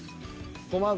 ごま油。